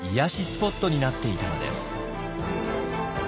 スポットになっていたのです。